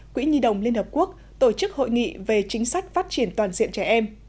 quỹ nhi đồng liên hợp quốc tổ chức hội nghị về chính sách phát triển toàn diện trẻ em